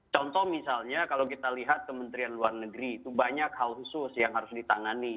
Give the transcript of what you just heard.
contoh misalnya kalau kita lihat kementerian luar negeri itu banyak hal khusus yang harus ditangani